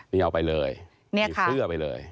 นี่เอาไปเลยนี่คือเสื้อไปเลย